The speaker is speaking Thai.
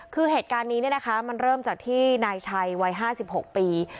คือเหตุการณ์นี้มันเริ่มจากที่นายชัยวัย๕๖ปี